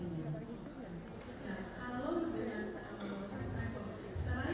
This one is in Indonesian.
di dalam keterangan saudara